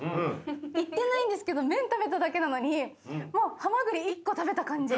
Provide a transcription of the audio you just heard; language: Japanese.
いってないんですけど麺食べただけなのにもうハマグリ１個食べた感じ。